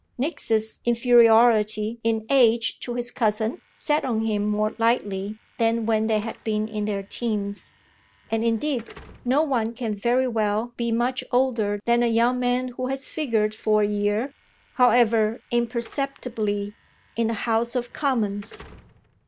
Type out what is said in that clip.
Nick's inferiority in age to his cousin sat on him more lightly than when they had been in their teens; and indeed no one can very well be much older than a young man who has figured for a year, however imperceptibly, in the House of Commons.